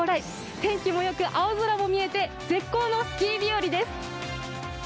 天気も良く、青空も見えて絶好のスキー日和です。